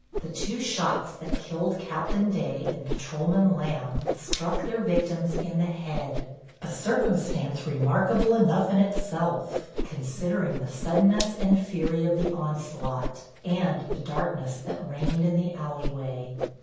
The two shots that killed Captain Day and Patrolman Lamb struck their victims in the head, a circumstance remarkable enough in itself, considering the suddenness and fury of the onslaught and the darkness that reigned in the alley way.